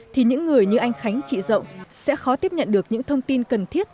thì những người như anh khánh chị rộng sẽ khó tiếp nhận được những thông tin cần thiết